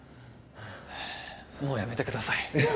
もうやめてくださいいや